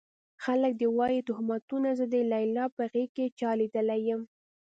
خلک دې وايي تُهمتونه زه د ليلا په غېږ کې چا ليدلی يمه